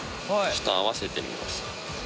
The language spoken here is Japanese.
ちょっと合わせてみます